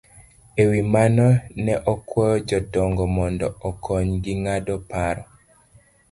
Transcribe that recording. E wi mano, ne okwayo jodongo mondo okonygi ng'ado paro